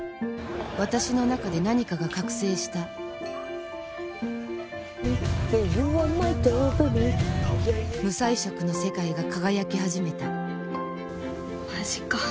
私の中で何かが覚醒した無彩色の世界が輝き始めたマジか。